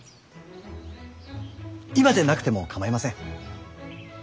今でなくても構いません。